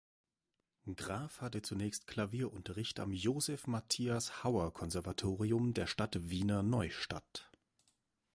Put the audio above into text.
Graf hatte zunächst Klavierunterricht am "Josef Matthias Hauer–Konservatorium" der Stadt Wiener Neustadt.